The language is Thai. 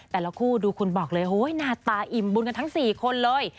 แต่ละคู่ดูคุณบอกเลยหน้าตาอิ่มบุญกันทั้ง๔คนเลย